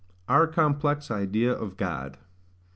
Our complex idea of God.